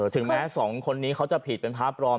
ถึงแม้สองคนนี้เขาจะผิดเป็นพระปลอม